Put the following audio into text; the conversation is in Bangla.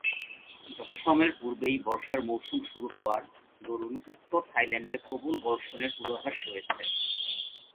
যথাসময়ের পূর্বেই বর্ষার মৌসুম শুরু হওয়ার দরুণ উত্তর থাইল্যান্ডে প্রবল বর্ষণের পূর্বাভাস রয়েছে।